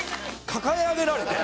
抱え上げられて。